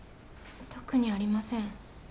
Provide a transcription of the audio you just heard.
特にありません